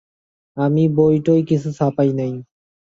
আমি বই-টই কিছু ছাপাই নাই।